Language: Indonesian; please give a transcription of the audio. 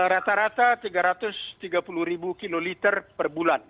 rata rata tiga ratus tiga puluh kiloliter per bulan